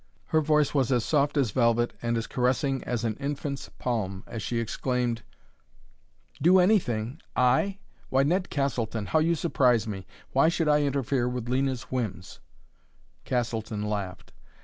Her voice was as soft as velvet and as caressing as an infant's palm as she exclaimed: "Do anything? I? Why, Ned Castleton, how you surprise me! Why should I interfere with Lena's whims?" Castleton laughed.